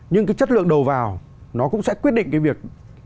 nhưng cái chất lượng đầu vào nó cũng sẽ quyết định cái việc